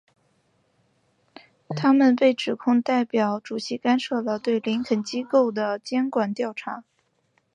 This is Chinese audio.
他们被指控代表主席干涉了对林肯机构的监管调查。